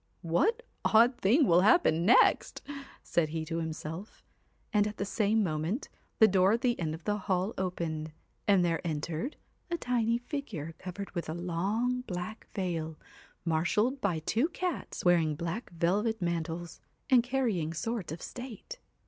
'What odd thing will happen next?' said he to himself; and at the same moment, the door at the 210 end of the hall opened, and there entered a tiny THE figure covered with a long black veil, marshalled by two cats wearing black velvet mantles, and carrying swords of state.